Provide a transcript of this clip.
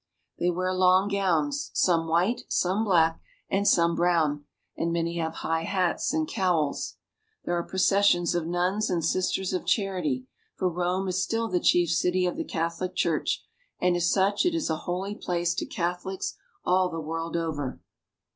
They wear long gowns, some white, some black, and some brown, and many have high hats and cowls. There are processions of nuns and sisters of charity, for Rome is still the chief city of the Catholic Church, and as such it is a holy place to Catholics all the world over.